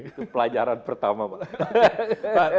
itu pelajaran pertama pak